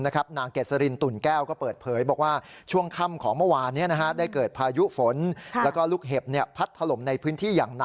ขณะที่นายกอง